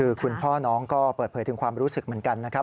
คือคุณพ่อน้องก็เปิดเผยถึงความรู้สึกเหมือนกันนะครับ